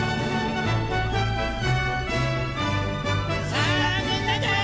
さあみんなで。